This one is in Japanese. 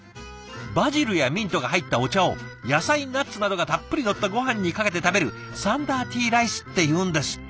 バジルやミントが入ったお茶を野菜ナッツなどがたっぷりのったごはんにかけて食べるサンダーティーライスっていうんですって。